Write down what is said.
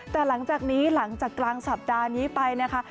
แต่หลังจากนี้หลังจากกลางสัปดาห์นี้ไปนะคะ